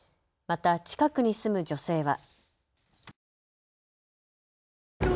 また近くに住む女性は。